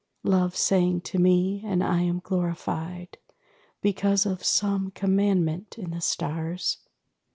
_ _Love sang to me, and I am glorified Because of some commandment in the stars.